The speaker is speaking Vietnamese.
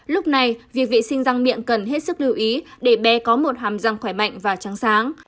lúc này việc vệ sinh răng miệng cần hết sức lưu ý để bé có một hàm răng khỏe mạnh và trắng sáng